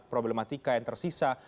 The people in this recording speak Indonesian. problematika yang tersisa